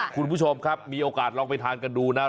คุณผู้ชมครับมีโอกาสลองไปทานกันดูนะ